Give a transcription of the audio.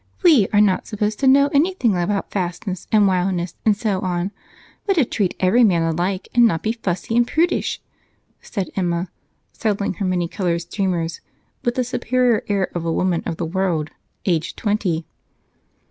We are not supposed to know anything about fastness, and wildness, and so on, but to treat every man alike and not be fussy and prudish," said Emma, settling her many colored streamers with the superior air of a woman of the world, aged twenty.